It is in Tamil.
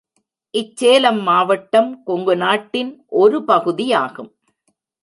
இச்சேலம் மாவட்டம் கொங்குநாட்டின் ஒரு பகுதியாகும்.